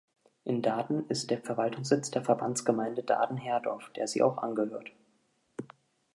In Daaden ist der Verwaltungssitz der Verbandsgemeinde Daaden-Herdorf, der sie auch angehört.